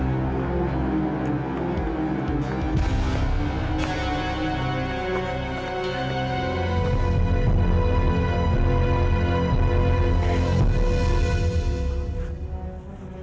amir akan memengaruhimu